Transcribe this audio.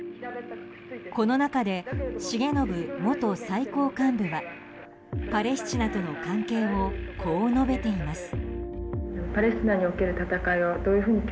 この中で、重信元最高幹部がパレスチナとの関係をこう述べています。